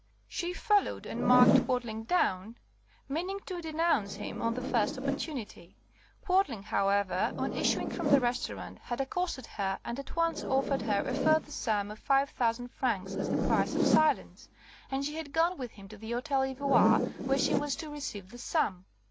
She followed and marked Quadling down, meaning to denounce him on the first opportunity. Quadling, however, on issuing from the restaurant, had accosted her, and at once offered her a further sum of five thousand francs as the price of silence, and she had gone with him to the Hôtel Ivoire, where she was to receive the sum.